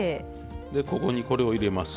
ここにこれを入れます。